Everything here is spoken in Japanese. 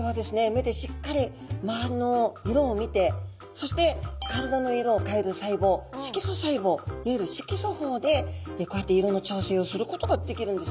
目でしっかり周りの色を見てそして体の色を変える細胞色素細胞いわゆる色素胞でこうやって色の調整をすることができるんですね。